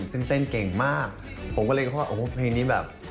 ซึ่งเต้นเก่งมากผมก็เลยคิดว่าโอ้โหเพลงนี้แบบ